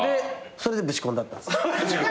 それでぶち込んだったんです。